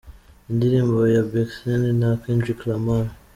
Indirimbo ya Big Sean na Kendrick Lamar: .